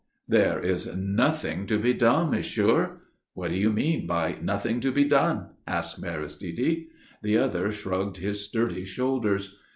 "There is nothing to be done, monsieur." "What do you mean by 'nothing to be done'?" asked Aristide. The other shrugged his sturdy shoulders.